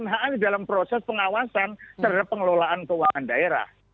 itu adalah keinginan dalam proses pengawasan terhadap pengelolaan keuangan daerah